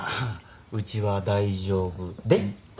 うちは大丈夫です。